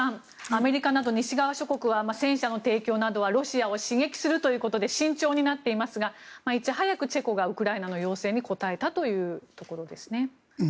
アメリカなど西側諸国は戦車の提供などはロシアを刺激するということで慎重になっていますが、いち早くチェコがウクライナの要請に応えたというところですね。